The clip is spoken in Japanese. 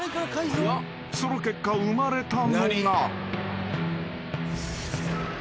［その結果生まれたのが］